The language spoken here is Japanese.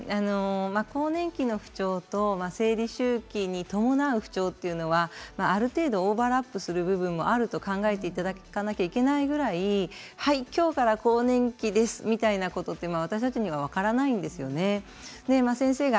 更年期の不調と生理周期に伴う不調というのはある程度オーバーラップする部分があると考えていただかなければいけないぐらい今日から更年期ですって私たち、分からないんですね。